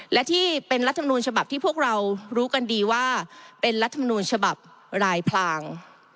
และที่เป็นรัฐมนูลฉบับที่พวกเรารู้กันดีว่าเป็นรัฐมนูญฉบับรายพลาง